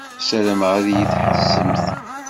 Sarameɣ ad yi-d-tḥessemt.